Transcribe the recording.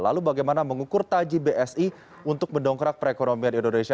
lalu bagaimana mengukur taji bsi untuk mendongkrak perekonomian indonesia